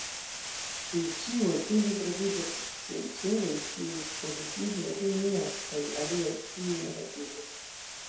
Pri ĉiu el ili troviĝas scienculoj kiuj pozitive opinias kaj aliaj kiuj negative.